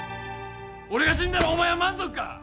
俺が死んだらお前は満足か？